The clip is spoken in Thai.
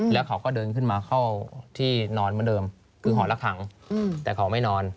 แล้วเขาก็เดินขึ้นมาเข้าที่นอนเหมือนเดิมคือหอละขังแต่เขาไม่นอน